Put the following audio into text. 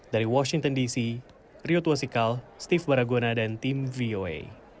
dari washington dc rio tuasical steve baragona dan tim voa